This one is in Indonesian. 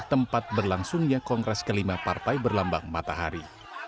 tempat berlangsungnya kongres kelima partai berlambang matahari